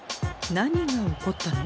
何が起こったの？